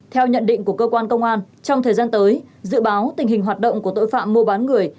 theo nhận định của cơ quan công an trong thời gian tới dự báo tình hình hoạt động của tội phạm mua bán người